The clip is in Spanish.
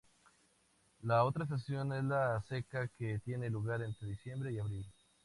La otra estación es la seca que tiene lugar entre diciembre y abril.